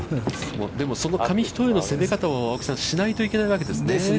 でも、その紙一重の攻め方を青木さん、しないといけないわけですね。ですね。